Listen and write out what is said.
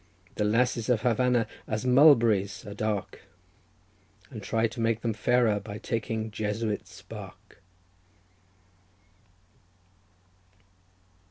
The lasses of Havanna as mulberries are dark, And try to make them fairer by taking Jesuit's bark."